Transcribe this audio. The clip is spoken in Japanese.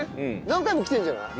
何回も来てるんじゃない？